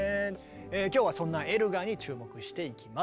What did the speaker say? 今日はそんなエルガーに注目していきます。